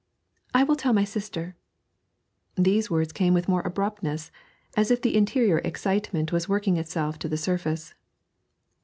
'I will tell my sister.' These words came with more abruptness, as if the interior excitement was working itself to the surface.